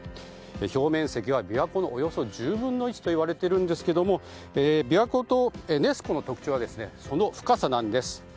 表面積は琵琶湖のおよそ１０分の１といわれているんですが琵琶湖とネス湖の特徴はその深さなんです。